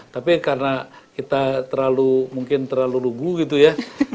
tapi karena kita terlalu mungkin terlalu lugu gitu ya